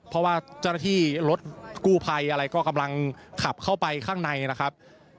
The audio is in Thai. เพราะว่าเจ้าหน้าที่รถกู้ภัยอะไรก็กำลังขับเข้าไปข้างในนะครับ